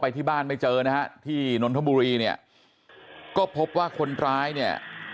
ที่บ้านไม่เจอนะฮะที่นนทบุรีเนี่ยก็พบว่าคนร้ายเนี่ย